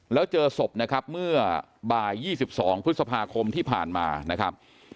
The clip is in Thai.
แล้วเจอศพนะครับเมื่อบ่าย๒๒พฤษภาคมที่ผ่านมานะครับ